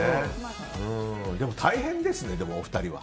でも大変ですね、お二人は。